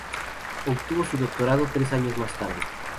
Obtuvo su doctorado tres años más tarde.